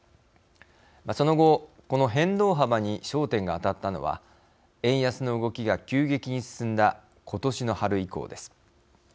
その後、この変動幅に焦点があたったのは円安の動きが急激に進んだ今年の春以降です。